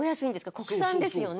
国産ですよね？